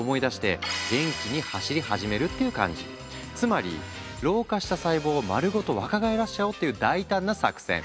つまり老化した細胞を丸ごと若返らせちゃおうっていう大胆な作戦。